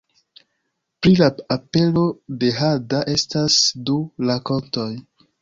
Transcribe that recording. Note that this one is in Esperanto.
Pri la apero de hada estas du rakontoj.